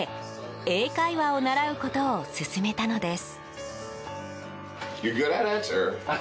英会話を習うことを勧めたのです。